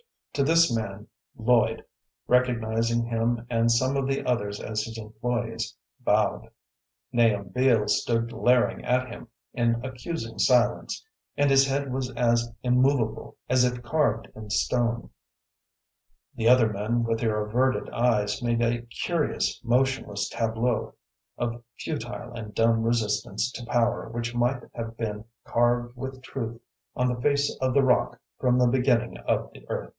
To this man Lloyd, recognizing him and some of the others as his employés, bowed. Nahum Beals stood glaring at him in accusing silence, and his head was as immovable as if carved in stone. The other men, with their averted eyes, made a curious, motionless tableau of futile and dumb resistance to power which might have been carved with truth on the face of the rock from the beginning of the earth.